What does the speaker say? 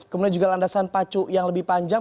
kemudian juga landasan pacu yang lebih panjang